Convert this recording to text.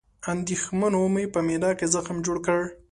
اندېښنو مې په معده کې زخم جوړ کړ